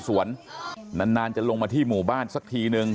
ชาวบ้านในพื้นที่บอกว่าปกติผู้ตายเขาก็อยู่กับสามีแล้วก็ลูกสองคนนะฮะ